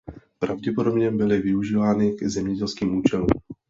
Pravděpodobně byly využívány k zemědělským účelům.